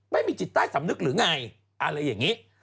ไม่มีจิตใต้สำนึกหรือไงอะไรอย่างนี้